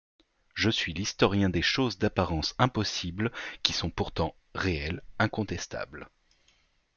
Je suis l’historien des choses d’apparence impossible qui sont pourtant réelles, incontestables.